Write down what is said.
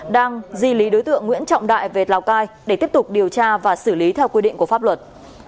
đang di lý đối tượng nguyễn trọng đại về lào cai để tiếp tục điều tra và xử lý theo quy định của pháp luật